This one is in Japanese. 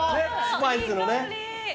スパイスのね。